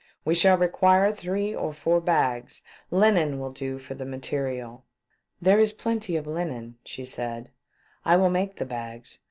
" We shall require three or four bags. Linen will do for the material." " There is plenty of linen," said she. " I will make the bags.